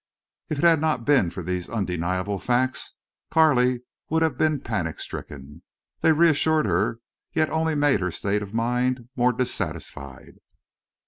If it had not been for these undeniable facts Carley would have been panic stricken. They reassured her, yet only made her state of mind more dissatisfied.